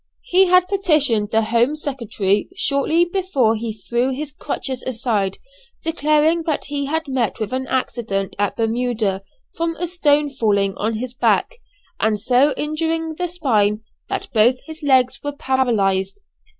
He had petitioned the Home Secretary shortly before he threw his crutches aside, declaring that he had met with an accident at Bermuda from a stone falling on his back, and so injuring the spine that both his legs were paralysed.